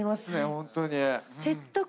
ホントに。